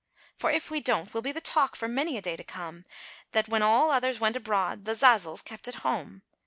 "For if we don't, we'll be the talk for many a day to come, That when all others went abroad, the Zazels kept at home.